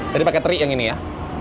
jadi pakai terik yang ini ya